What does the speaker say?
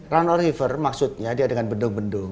runoff river maksudnya dia dengan bendung bendung